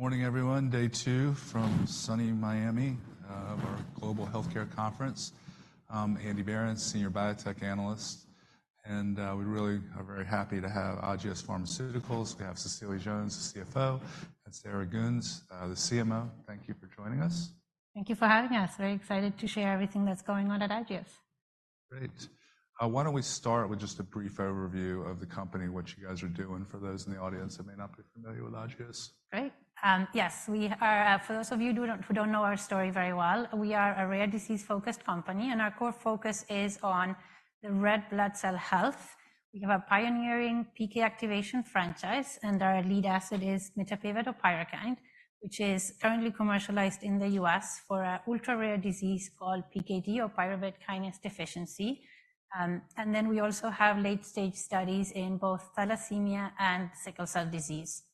All right. Good morning, everyone. Day two from sunny Miami of our global healthcare conference. I'm Andy Berens, senior biotech analyst, and we're really very happy to have Agios Pharmaceuticals. We have Cecilia Jones, the CFO, and Sarah Gheuens, the CMO. Thank you for joining us. Thank you for having us. Very excited to share everything that's going on at Agios. Great. Why don't we start with just a brief overview of the company, what you guys are doing, for those in the audience that may not be familiar with Agios? Great. Yes. For those of you who don't know our story very well, we are a rare disease-focused company, and our core focus is on the red blood cell health. We have a pioneering PK activation franchise, and our lead asset is mitapivat or PYRUKYND, which is currently commercialized in the US for an ultra-rare disease called PKD or pyruvate kinase deficiency. And then we also have late-stage studies in both thalassemia and sickle cell disease.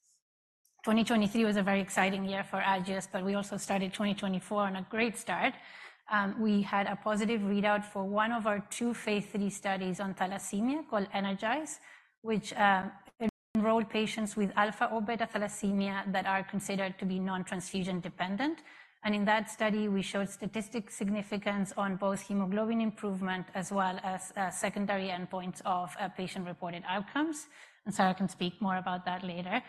2023 was a very exciting year for Agios, but we also started 2024 on a great start. We had a positive readout for one of our two phase 3 studies on thalassemia called ENERGIZE, which enrolled patients with alpha- or beta-thalassemia that are considered to be non-transfusion-dependent. And in that study, we showed statistical significance on both hemoglobin improvement as well as secondary endpoints of patient-reported outcomes. Sarah can speak more about that later.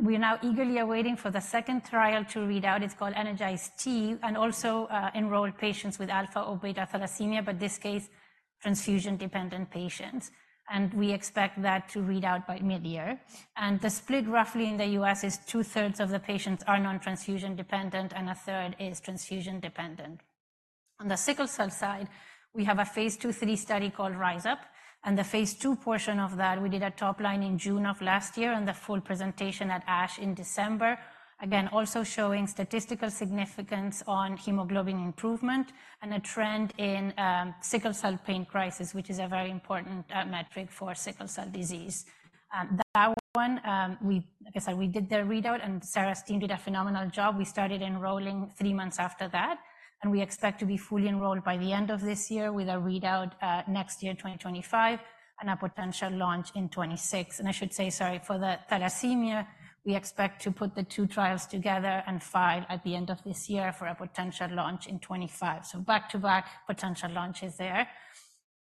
We are now eagerly awaiting for the second trial to readout. It's called ENERGIZE-T and also enrolled patients with alpha- or beta-thalassemia, but in this case, transfusion-dependent patients. We expect that to readout by mid-year. The split roughly in the U.S. is two-thirds of the patients are non-transfusion-dependent, and a third is transfusion-dependent. On the sickle cell side, we have a phase II/III study called RISE UP. The phase II portion of that, we did a topline in June of last year and the full presentation at ASH in December, again also showing statistical significance on hemoglobin improvement and a trend in sickle cell pain crisis, which is a very important metric for sickle cell disease. That one, like I said, we did the readout, and Sarah's team did a phenomenal job. We started enrolling three months after that, and we expect to be fully enrolled by the end of this year with a readout next year, 2025, and a potential launch in 2026. And I should say, sorry, for the thalassemia, we expect to put the two trials together and file at the end of this year for a potential launch in 2025. So back-to-back potential launches there.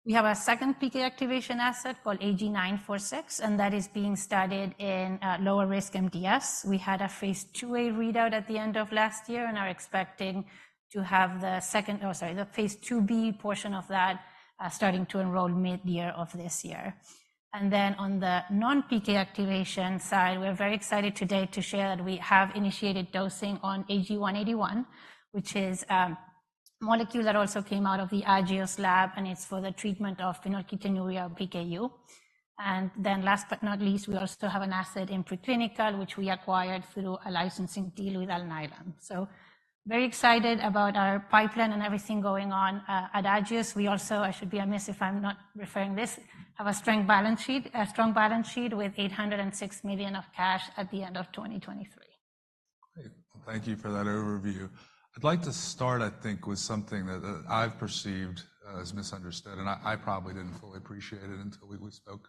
We have a second PK activation asset called AG-946, and that is being studied in lower-risk MDS. We had a phase IIa readout at the end of last year, and are expecting to have the second or sorry, the phase IIb portion of that starting to enroll mid-year of this year. And then on the non-PK activation side, we're very excited today to share that we have initiated dosing on AG-181, which is a molecule that also came out of the Agios lab, and it's for the treatment of phenylketonuria or PKU. And then last but not least, we also have an asset in preclinical, which we acquired through a licensing deal with Alnylam. So very excited about our pipeline and everything going on at Agios. We also have a strong balance sheet with $806 million of cash at the end of 2023. I would be remiss if I'm not referring to this. Great. Well, thank you for that overview. I'd like to start, I think, with something that I've perceived as misunderstood, and I probably didn't fully appreciate it until we spoke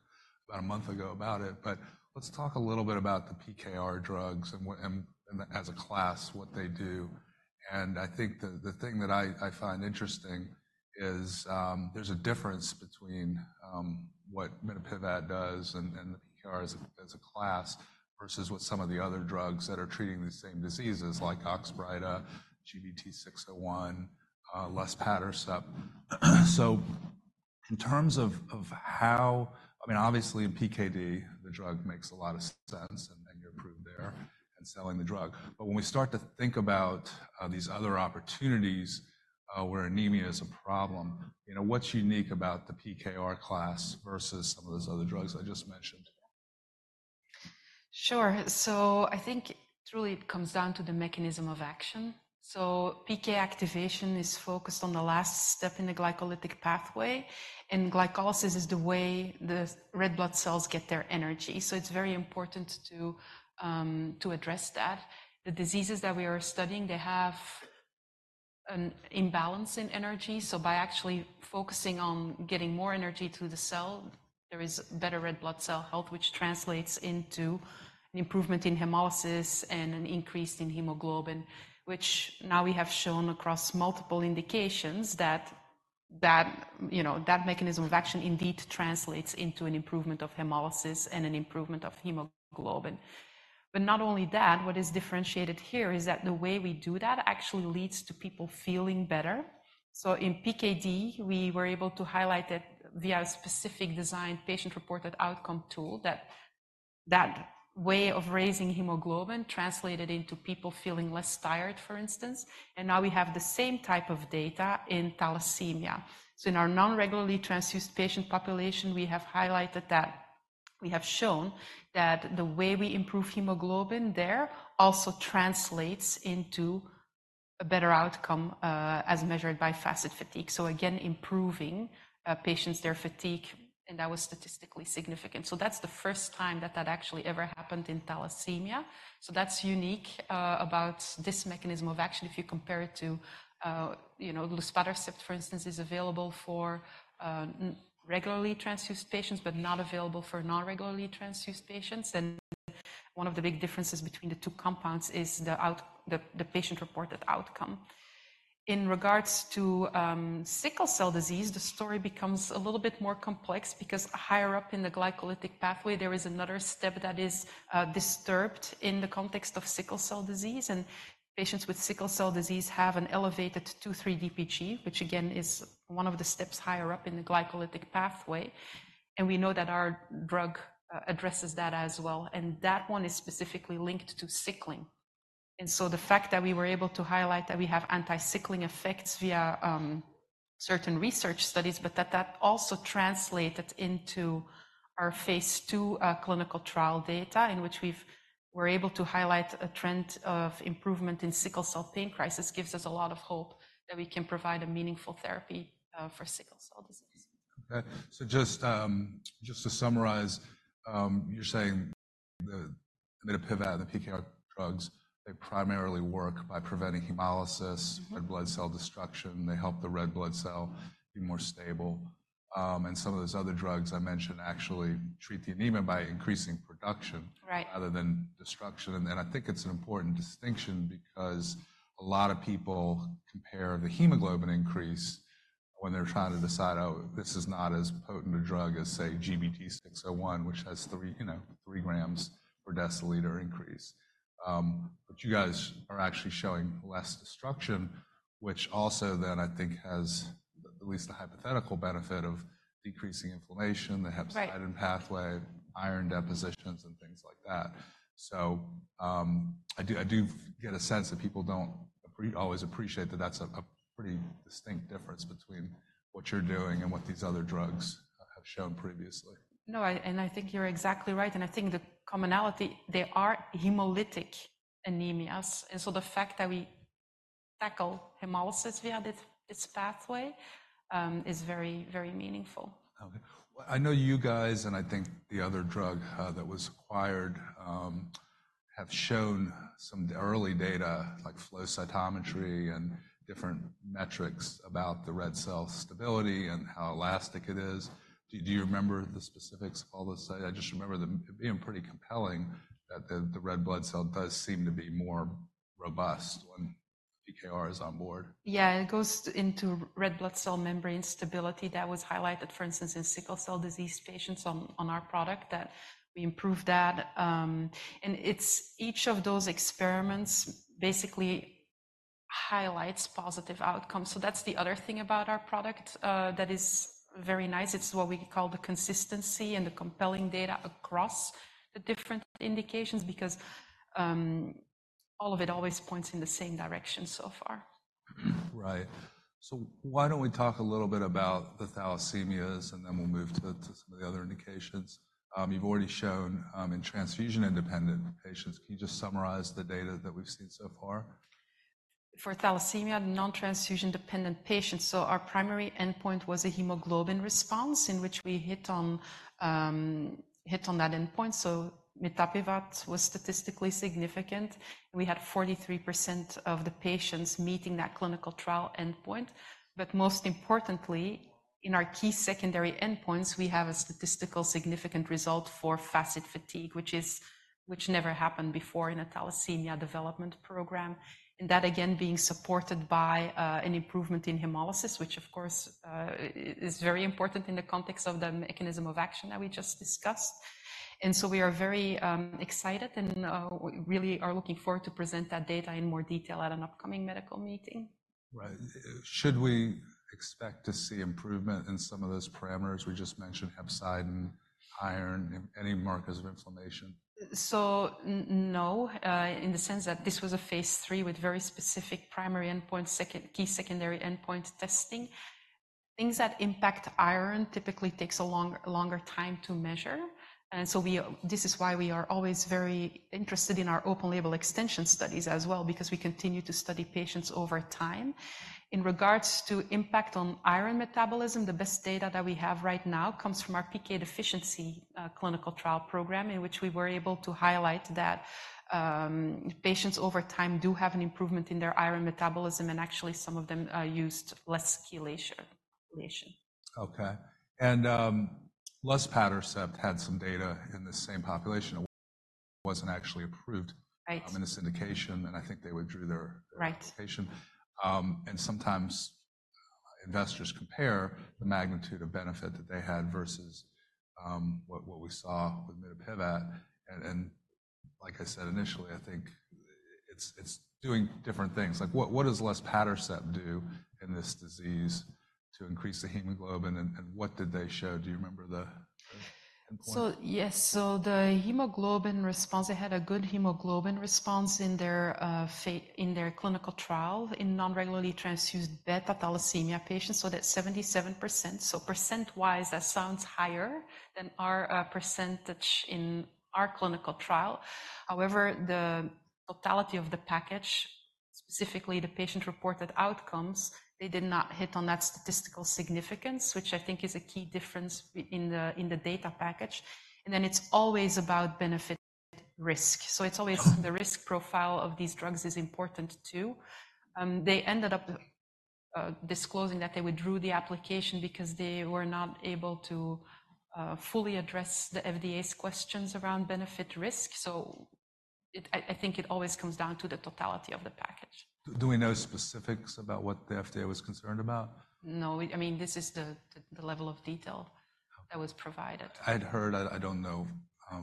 about a month ago about it. But let's talk a little bit about the PKR drugs and, as a class, what they do. And I think the thing that I find interesting is there's a difference between what mitapivat does and the PKR as a class versus what some of the other drugs that are treating the same diseases, like Oxbryta, GBT601, luspatercept. So in terms of how I mean, obviously, in PKD, the drug makes a lot of sense, and you're approved there and selling the drug. But when we start to think about these other opportunities where anemia is a problem, what's unique about the PKR class versus some of those other drugs I just mentioned? Sure. So I think it really comes down to the mechanism of action. So PK activation is focused on the last step in the glycolytic pathway, and glycolysis is the way the red blood cells get their energy. So it's very important to address that. The diseases that we are studying, they have an imbalance in energy. So by actually focusing on getting more energy to the cell, there is better red blood cell health, which translates into an improvement in hemolysis and an increase in hemoglobin, which now we have shown across multiple indications that that mechanism of action indeed translates into an improvement of hemolysis and an improvement of hemoglobin. But not only that, what is differentiated here is that the way we do that actually leads to people feeling better. So in PKD, we were able to highlight that via a specifically designed patient-reported outcome tool, that way of raising hemoglobin translated into people feeling less tired, for instance. And now we have the same type of data in thalassemia. So in our non-regularly transfused patient population, we have highlighted that we have shown that the way we improve hemoglobin there also translates into a better outcome as measured by FACIT-Fatigue. So again, improving patients' fatigue, and that was statistically significant. So that's the first time that that actually ever happened in thalassemia. So that's unique about this mechanism of action. If you compare it to luspatercept, for instance, [it] is available for regularly transfused patients but not available for non-regularly transfused patients. And one of the big differences between the two compounds is the patient-reported outcome. In regards to sickle cell disease, the story becomes a little bit more complex because higher up in the glycolytic pathway, there is another step that is disturbed in the context of sickle cell disease. And patients with sickle cell disease have an elevated 2,3-DPG, which again is one of the steps higher up in the glycolytic pathway. And we know that our drug addresses that as well. And that one is specifically linked to sickling. And so the fact that we were able to highlight that we have anti-sickling effects via certain research studies, but that that also translated into our phase II clinical trial data in which we were able to highlight a trend of improvement in sickle cell pain crisis gives us a lot of hope that we can provide a meaningful therapy for sickle cell disease. Okay. So just to summarize, you're saying the mitapivat and the PKR drugs, they primarily work by preventing hemolysis, red blood cell destruction. They help the red blood cell be more stable. And some of those other drugs I mentioned actually treat the anemia by increasing production rather than destruction. And I think it's an important distinction because a lot of people compare the hemoglobin increase when they're trying to decide, "Oh, this is not as potent a drug as, say, GBT601, which has 3 grams per deciliter increase." But you guys are actually showing less destruction, which also then, I think, has at least the hypothetical benefit of decreasing inflammation. They have a cytokine pathway, iron depositions, and things like that. I do get a sense that people don't always appreciate that that's a pretty distinct difference between what you're doing and what these other drugs have shown previously. No. And I think you're exactly right. And I think the commonality, they are hemolytic anemias. And so the fact that we tackle hemolysis via this pathway is very, very meaningful. Okay. I know you guys and I think the other drug that was acquired have shown some early data, like flow cytometry and different metrics about the red cell stability and how elastic it is. Do you remember the specifics of all those? I just remember them being pretty compelling, that the red blood cell does seem to be more robust when PKR is on board. Yeah. It goes into red blood cell membrane stability. That was highlighted, for instance, in sickle cell disease patients on our product, that we improved that. Each of those experiments basically highlights positive outcomes. That's the other thing about our product that is very nice. It's what we call the consistency and the compelling data across the different indications because all of it always points in the same direction so far. Right. So why don't we talk a little bit about the thalassemias, and then we'll move to some of the other indications? You've already shown in transfusion-independent patients. Can you just summarize the data that we've seen so far? For thalassemia, non-transfusion-dependent patients, so our primary endpoint was a hemoglobin response in which we hit on that endpoint. So mitapivat was statistically significant. We had 43% of the patients meeting that clinical trial endpoint. But most importantly, in our key secondary endpoints, we have a statistically significant result for FACIT-Fatigue, which never happened before in a thalassemia development program, and that again being supported by an improvement in hemolysis, which of course is very important in the context of the mechanism of action that we just discussed. And so we are very excited and really are looking forward to present that data in more detail at an upcoming medical meeting. Right. Should we expect to see improvement in some of those parameters we just mentioned, hepcidin, iron, any markers of inflammation? So no, in the sense that this was a phase 3 with very specific primary endpoint, key secondary endpoint testing. Things that impact iron typically take a longer time to measure. And so this is why we are always very interested in our open-label extension studies as well, because we continue to study patients over time. In regards to impact on iron metabolism, the best data that we have right now comes from our PK deficiency clinical trial program in which we were able to highlight that patients over time do have an improvement in their iron metabolism, and actually some of them used less chelation. Okay. Luspatercept had some data in the same population. It wasn't actually approved in this indication, and I think they withdrew their application. Sometimes investors compare the magnitude of benefit that they had versus what we saw with mitapivat. Like I said initially, I think it's doing different things. What does luspatercept do in this disease to increase the hemoglobin, and what did they show? Do you remember the endpoint? So yes. So the hemoglobin response, they had a good hemoglobin response in their clinical trial in non-regularly transfused beta-thalassemia patients. So that's 77%. So percent-wise, that sounds higher than our percentage in our clinical trial. However, the totality of the package, specifically the patient-reported outcomes, they did not hit on that statistical significance, which I think is a key difference in the data package. And then it's always about benefit-risk. So it's always the risk profile of these drugs is important too. They ended up disclosing that they withdrew the application because they were not able to fully address the FDA's questions around benefit-risk. So I think it always comes down to the totality of the package. Do we know specifics about what the FDA was concerned about? No. I mean, this is the level of detail that was provided. I'd heard I don't know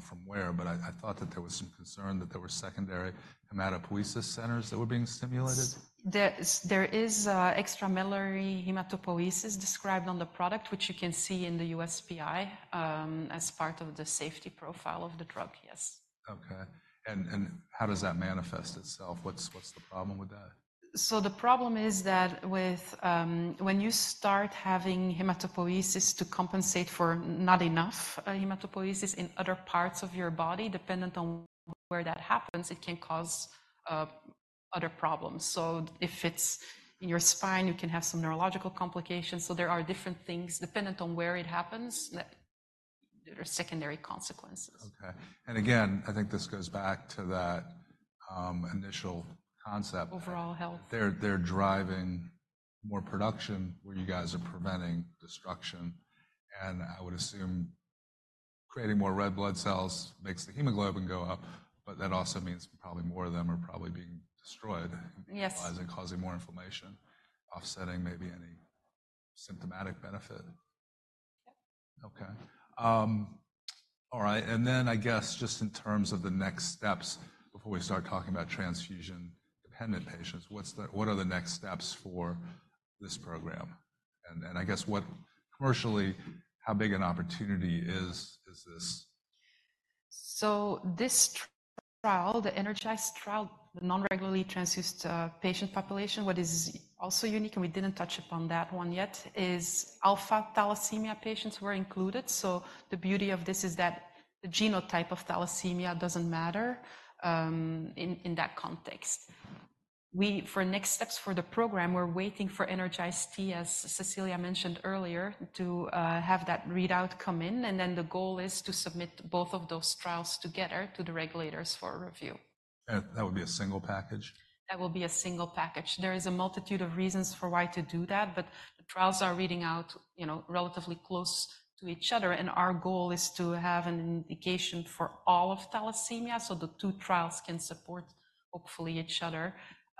from where, but I thought that there was some concern that there were secondary hematopoiesis centers that were being stimulated? There is extramedullary hematopoiesis described on the product, which you can see in the USPI as part of the safety profile of the drug. Yes. Okay. And how does that manifest itself? What's the problem with that? So the problem is that when you start having hematopoiesis to compensate for not enough hematopoiesis in other parts of your body, dependent on where that happens, it can cause other problems. So if it's in your spine, you can have some neurological complications. So there are different things. Dependent on where it happens, there are secondary consequences. Okay. And again, I think this goes back to that initial concept. Overall health. They're driving more production where you guys are preventing destruction. I would assume creating more red blood cells makes the hemoglobin go up, but that also means probably more of them are probably being destroyed in otherwise and causing more inflammation, offsetting maybe any symptomatic benefit. Yep. Okay. All right. And then I guess just in terms of the next steps before we start talking about transfusion-dependent patients, what are the next steps for this program? And I guess commercially, how big an opportunity is this? So this trial, the ENERGIZE trial, the non-regularly transfused patient population, what is also unique, and we didn't touch upon that one yet, is alpha-thalassemia patients were included. So the beauty of this is that the genotype of thalassemia doesn't matter in that context. For next steps for the program, we're waiting for ENERGIZE-T, as Cecilia mentioned earlier, to have that readout come in. And then the goal is to submit both of those trials together to the regulators for review. That would be a single package? That will be a single package. There is a multitude of reasons for why to do that, but the trials are reading out relatively close to each other. Our goal is to have an indication for all of thalassemia so the two trials can support hopefully each other.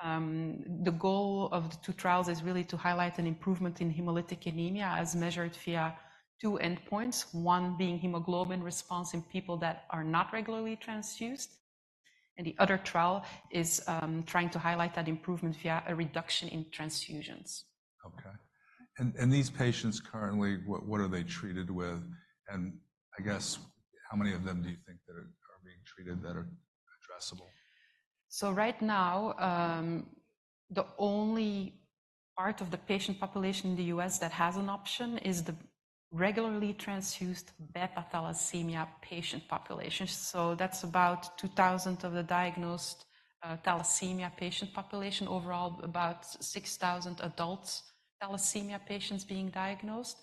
The goal of the two trials is really to highlight an improvement in hemolytic anemia as measured via two endpoints, one being hemoglobin response in people that are not regularly transfused. The other trial is trying to highlight that improvement via a reduction in transfusions. Okay. These patients currently, what are they treated with? And I guess how many of them do you think that are being treated that are addressable? So right now, the only part of the patient population in the U.S. that has an option is the regularly transfused beta-thalassemia patient population. That's about 2,000 of the diagnosed thalassemia patient population, overall about 6,000 adult thalassemia patients being diagnosed.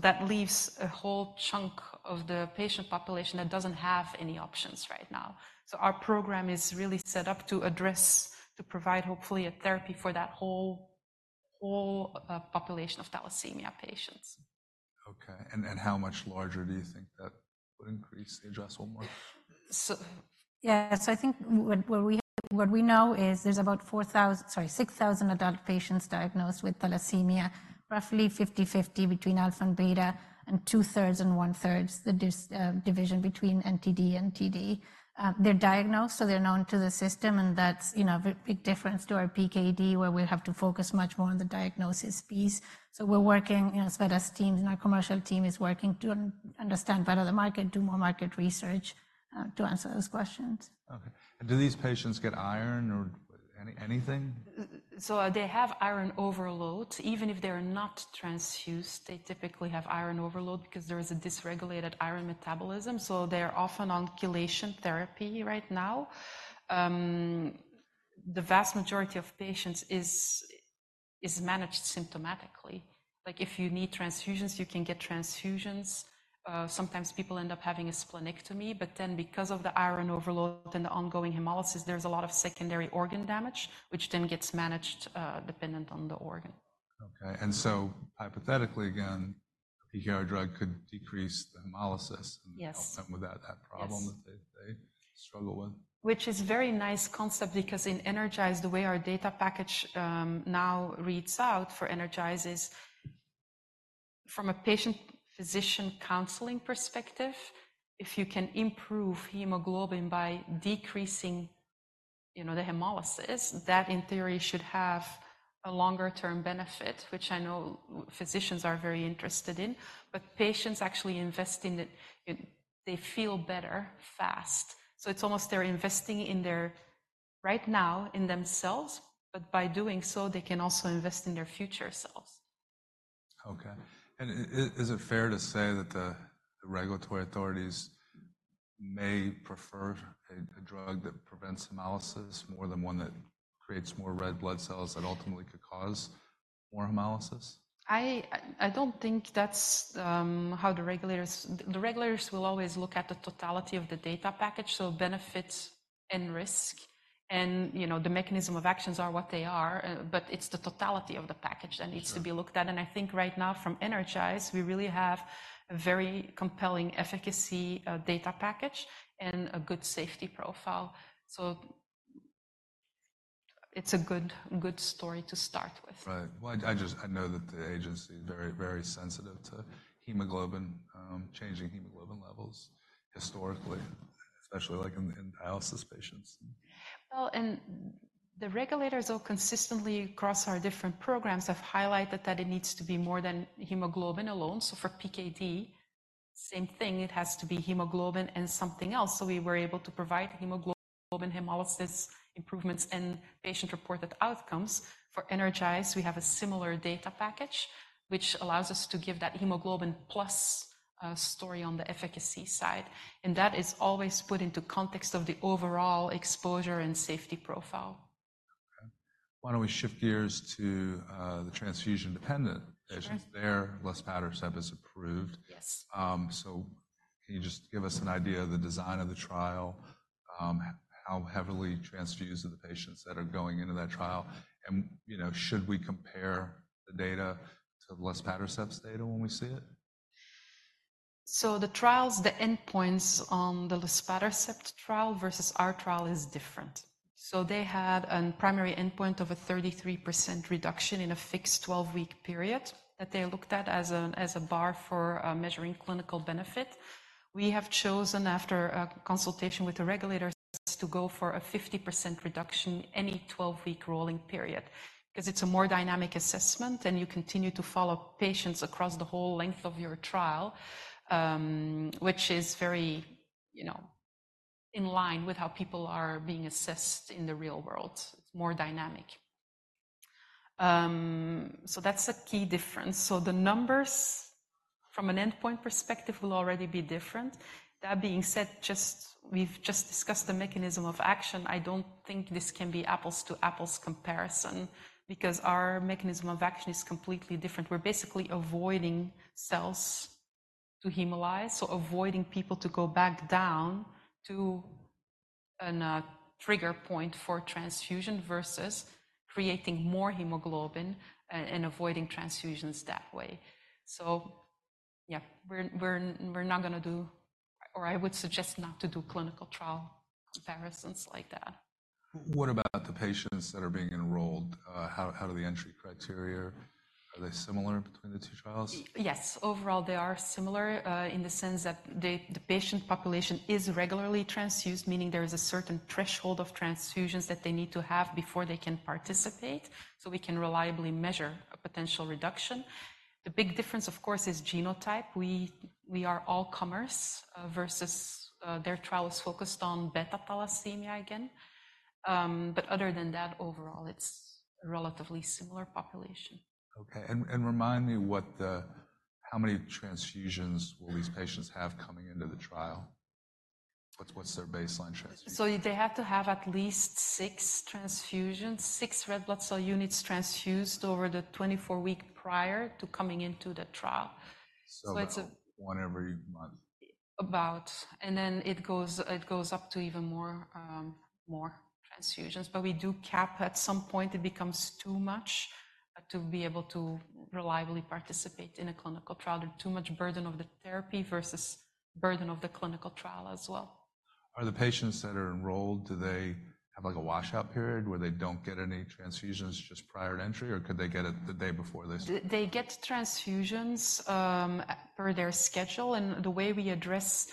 That leaves a whole chunk of the patient population that doesn't have any options right now. Our program is really set up to address, to provide hopefully a therapy for that whole population of thalassemia patients. Okay. How much larger do you think that would increase the addressable market? Yeah. So I think what we know is there's about 4,000, sorry, 6,000 adult patients diagnosed with thalassemia, roughly 50/50 between alpha and beta, and two-thirds and one-thirds, the division between NTD and TD. They're diagnosed, so they're known to the system. And that's a big difference to our PKD where we have to focus much more on the diagnosis piece. So we're working as well as teams. And our commercial team is working to understand better the market, do more market research to answer those questions. Okay. And do these patients get iron or anything? So they have iron overload. Even if they are not transfused, they typically have iron overload because there is a dysregulated iron metabolism. So they're often on chelation therapy right now. The vast majority of patients is managed symptomatically. If you need transfusions, you can get transfusions. Sometimes people end up having a splenectomy. But then because of the iron overload and the ongoing hemolysis, there's a lot of secondary organ damage, which then gets managed dependent on the organ. Okay. And so hypothetically again, a PKR drug could decrease the hemolysis and help them without that problem that they struggle with? Which is a very nice concept because in ENERGIZE, the way our data package now reads out for ENERGIZE is from a patient-physician counseling perspective, if you can improve hemoglobin by decreasing the hemolysis, that in theory should have a longer-term benefit, which I know physicians are very interested in. But patients actually invest in it. They feel better fast. So it's almost they're investing right now in themselves, but by doing so, they can also invest in their future selves. Okay. Is it fair to say that the regulatory authorities may prefer a drug that prevents hemolysis more than one that creates more red blood cells that ultimately could cause more hemolysis? I don't think that's how regulators will always look at the totality of the data package, so benefits and risk. And the mechanism of actions are what they are, but it's the totality of the package that needs to be looked at. And I think right now from ENERGIZE, we really have a very compelling efficacy data package and a good safety profile. So it's a good story to start with. Right. Well, I know that the agency is very, very sensitive to changing hemoglobin levels historically, especially in dialysis patients. Well, and the regulators all consistently across our different programs have highlighted that it needs to be more than hemoglobin alone. So for PKD, same thing. It has to be hemoglobin and something else. So we were able to provide hemoglobin hemolysis improvements and patient-reported outcomes. For ENERGIZE, we have a similar data package, which allows us to give that hemoglobin-plus story on the efficacy side. And that is always put into context of the overall exposure and safety profile. Okay. Why don't we shift gears to the transfusion-dependent patients? There, luspatercept is approved. So can you just give us an idea of the design of the trial, how heavily transfused are the patients that are going into that trial? And should we compare the data to the luspatercept's data when we see it? So the trials, the endpoints on the luspatercept trial versus our trial is different. So they had a primary endpoint of a 33% reduction in a fixed 12-week period that they looked at as a bar for measuring clinical benefit. We have chosen after consultation with the regulators to go for a 50% reduction any 12-week rolling period because it's a more dynamic assessment, and you continue to follow patients across the whole length of your trial, which is very in line with how people are being assessed in the real world. It's more dynamic. So that's a key difference. So the numbers from an endpoint perspective will already be different. That being said, we've just discussed the mechanism of action. I don't think this can be apples-to-apples comparison because our mechanism of action is completely different. We're basically avoiding cells to hemolyze, so avoiding people to go back down to a trigger point for transfusion versus creating more hemoglobin and avoiding transfusions that way. So yeah, we're not going to do or I would suggest not to do clinical trial comparisons like that. What about the patients that are being enrolled? How do the entry criteria? Are they similar between the two trials? Yes. Overall, they are similar in the sense that the patient population is regularly transfused, meaning there is a certain threshold of transfusions that they need to have before they can participate so we can reliably measure a potential reduction. The big difference, of course, is genotype. We are all-comers versus their trial is focused on beta-thalassemia again. But other than that, overall, it's a relatively similar population. Okay. And remind me how many transfusions will these patients have coming into the trial? What's their baseline transfusion? They have to have at least 6 transfusions, 6 red blood cell units transfused over the 24 week prior to coming into the trial. So it's a. About one every month? Then it goes up to even more transfusions. We do cap at some point. It becomes too much to be able to reliably participate in a clinical trial. There's too much burden of the therapy versus burden of the clinical trial as well. Are the patients that are enrolled, do they have a washout period where they don't get any transfusions just prior to entry, or could they get it the day before they start? They get transfusions per their schedule. The way we address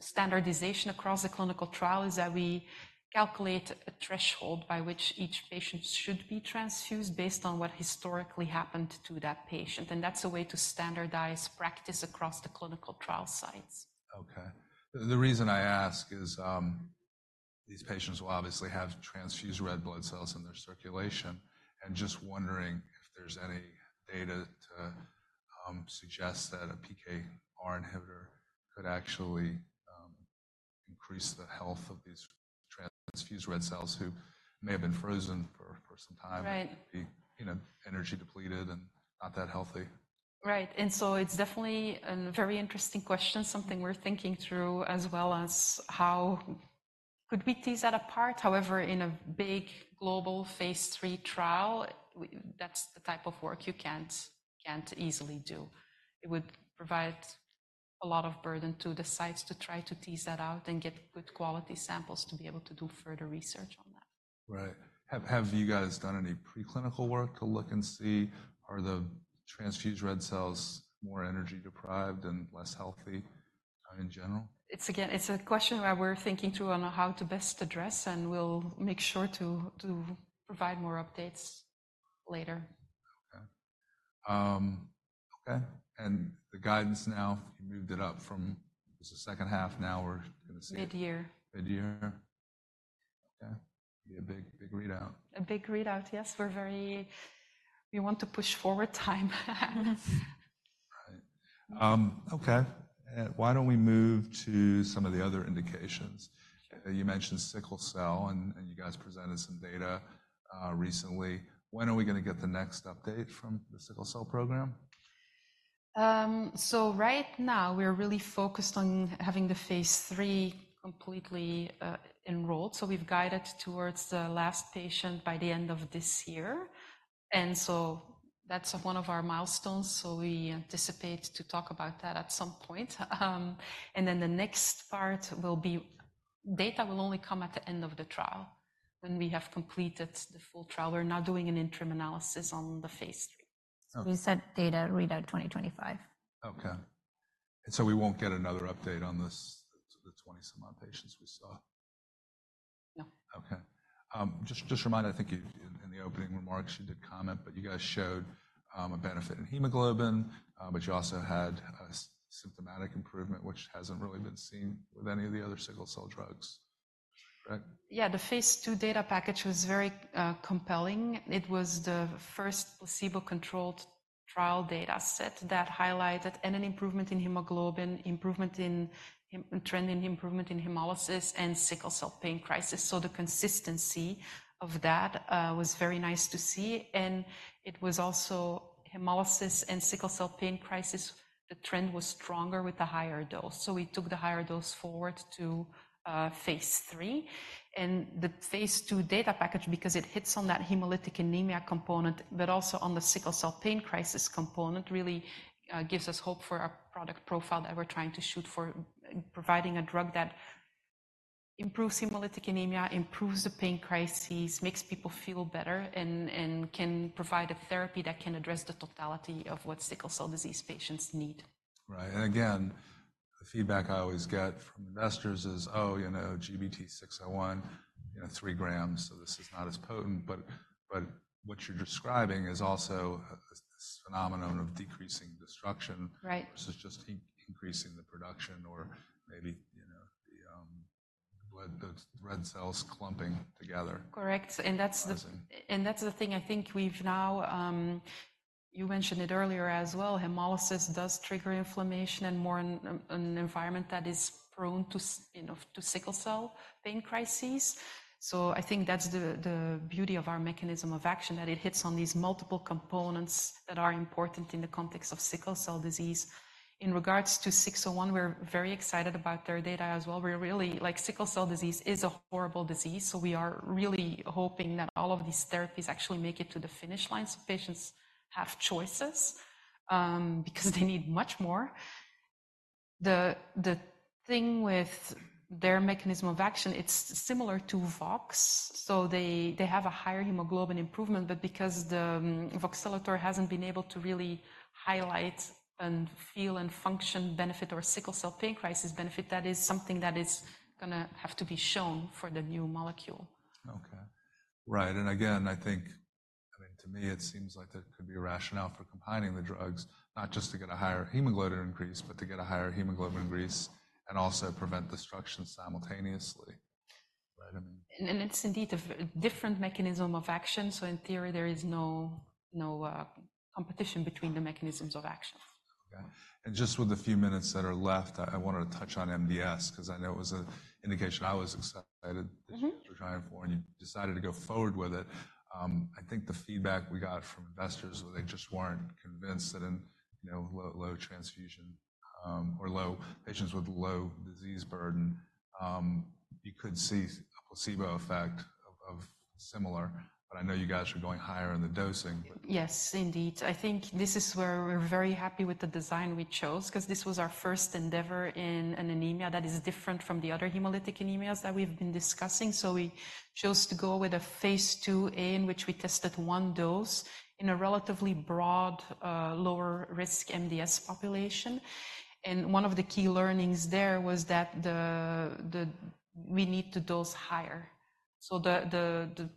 standardization across the clinical trial is that we calculate a threshold by which each patient should be transfused based on what historically happened to that patient. That's a way to standardize practice across the clinical trial sites. Okay. The reason I ask is these patients will obviously have transfused red blood cells in their circulation. Just wondering if there's any data to suggest that a PKR inhibitor could actually increase the health of these transfused red cells who may have been frozen for some time and be energy depleted and not that healthy? Right. And so it's definitely a very interesting question, something we're thinking through as well as how could we tease that apart? However, in a big global phase 3 trial, that's the type of work you can't easily do. It would provide a lot of burden to the sites to try to tease that out and get good quality samples to be able to do further research on that. Right. Have you guys done any preclinical work to look and see are the transfused red cells more energy deprived and less healthy in general? Again, it's a question that we're thinking through on how to best address. We'll make sure to provide more updates later. Okay. Okay. And the guidance now, you moved it up from it was the second half. Now we're going to see. Mid-year. Mid-year? Okay. Be a big readout. A big readout, yes. We want to push forward time. Right. Okay. Why don't we move to some of the other indications? You mentioned sickle cell, and you guys presented some data recently. When are we going to get the next update from the sickle cell program? So right now, we're really focused on having the phase 3 completely enrolled. So we've guided towards the last patient by the end of this year. And so that's one of our milestones. So we anticipate to talk about that at some point. And then the next part will be, data will only come at the end of the trial when we have completed the full trial. We're not doing an interim analysis on the phase 3. We set data readout 2025. Okay. And so we won't get another update on the 20-some-odd patients we saw? No. Okay. Just to remind, I think in the opening remarks, you did comment, but you guys showed a benefit in hemoglobin, but you also had symptomatic improvement, which hasn't really been seen with any of the other sickle cell drugs, correct? Yeah. The phase two data package was very compelling. It was the first placebo-controlled trial dataset that highlighted an improvement in hemoglobin, a trend in improvement in hemolysis, and sickle cell pain crisis. So the consistency of that was very nice to see. And it was also hemolysis and sickle cell pain crisis, the trend was stronger with the higher dose. So we took the higher dose forward to phase three. And the phase two data package, because it hits on that hemolytic anemia component but also on the sickle cell pain crisis component, really gives us hope for a product profile that we're trying to shoot for, providing a drug that improves hemolytic anemia, improves the pain crises, makes people feel better, and can provide a therapy that can address the totality of what sickle cell disease patients need. Right. And again, the feedback I always get from investors is, "Oh, GBT-601, 3 grams, so this is not as potent." But what you're describing is also this phenomenon of decreasing destruction versus just increasing the production or maybe the red cells clumping together. Correct. And that's the thing I think we've now you mentioned it earlier as well. Hemolysis does trigger inflammation in an environment that is prone to sickle cell pain crises. So I think that's the beauty of our mechanism of action, that it hits on these multiple components that are important in the context of sickle cell disease. In regards to 601, we're very excited about their data as well. Sickle cell disease is a horrible disease. So we are really hoping that all of these therapies actually make it to the finish line so patients have choices because they need much more. The thing with their mechanism of action, it's similar to VOX. So they have a higher hemoglobin improvement. But because voxelotor hasn't been able to really highlight and feel and function benefit or sickle cell pain crisis benefit, that is something that is going to have to be shown for the new molecule. Okay. Right. And again, I mean, to me, it seems like there could be a rationale for combining the drugs, not just to get a higher hemoglobin increase but to get a higher hemoglobin increase and also prevent destruction simultaneously, right? It's indeed a different mechanism of action. In theory, there is no competition between the mechanisms of action. Okay. And just with the few minutes that are left, I wanted to touch on MDS because I know it was an indication I was excited that you guys were trying for and you decided to go forward with it. I think the feedback we got from investors was they just weren't convinced that in low transfusion or patients with low disease burden, you could see a placebo effect of similar. But I know you guys are going higher in the dosing, but. Yes, indeed. I think this is where we're very happy with the design we chose because this was our first endeavor in an anemia that is different from the other hemolytic anemias that we've been discussing. So we chose to go with a phase 2A in which we tested one dose in a relatively broad lower-risk MDS population. And one of the key learnings there was that we need to dose higher. So the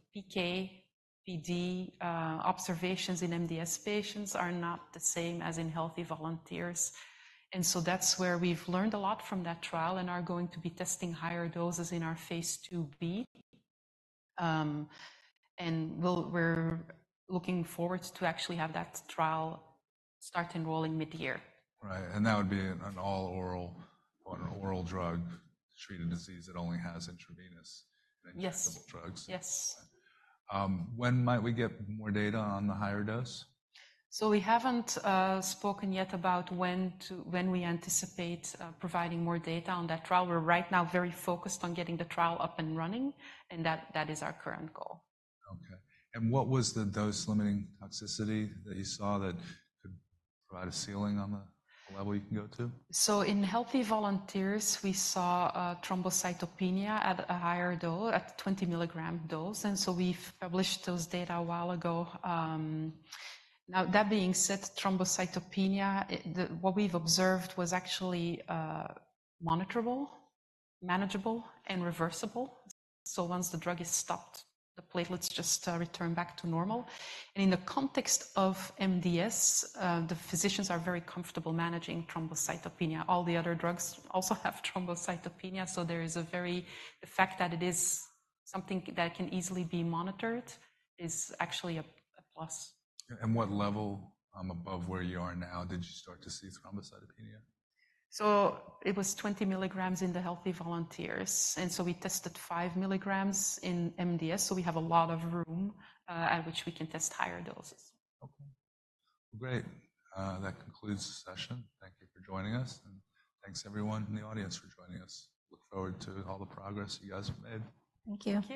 PKPD observations in MDS patients are not the same as in healthy volunteers. And so that's where we've learned a lot from that trial and are going to be testing higher doses in our phase 2B. And we're looking forward to actually have that trial start enrolling mid-year. Right. And that would be an all-oral drug to treat a disease that only has intravenous and injectable drugs? Yes. Yes. When might we get more data on the higher dose? We haven't spoken yet about when we anticipate providing more data on that trial. We're right now very focused on getting the trial up and running, and that is our current goal. Okay. What was the dose-limiting toxicity that you saw that could provide a ceiling on the level you can go to? In healthy volunteers, we saw thrombocytopenia at a higher dose, at a 20-mg dose. We've published those data a while ago. Now, that being said, thrombocytopenia, what we've observed was actually monitorable, manageable, and reversible. Once the drug is stopped, the platelets just return back to normal. In the context of MDS, the physicians are very comfortable managing thrombocytopenia. All the other drugs also have thrombocytopenia. The fact that it is something that can easily be monitored is actually a plus. What level above where you are now did you start to see thrombocytopenia? It was 20 milligrams in the healthy volunteers. We tested five milligrams in MDS. We have a lot of room at which we can test higher doses. Okay. Well, great. That concludes the session. Thank you for joining us, and thanks everyone in the audience for joining us. Look forward to all the progress you guys have made. Thank you.